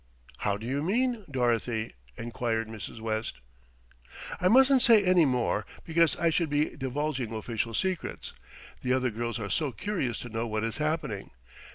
"How do you mean, Dorothy?" enquired Mrs. West. "I mustn't say any more, because I should be divulging official secrets. The other girls are so curious to know what is happening.